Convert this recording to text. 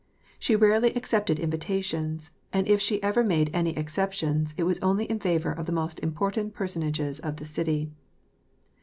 She rarely accepted invitations, and if she ever made any exceptions it was only in* favor of the most important person ages of the city.